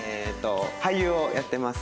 俳優をやってます